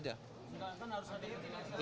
kejelasan harus ada itu